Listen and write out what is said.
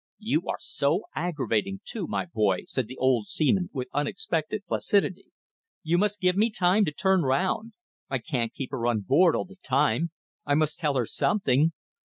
"You are so aggravating too, my boy," said the old seaman, with unexpected placidity. "You must give me time to turn round. I can't keep her on board all the time. I must tell her something.